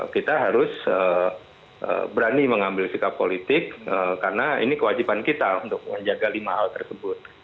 kita harus berani mengambil sikap politik karena ini kewajiban kita untuk menjaga lima hal tersebut